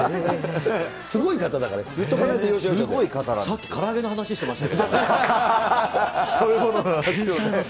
すごい方だからね、言っとかないさっきから揚げの話してましたけど。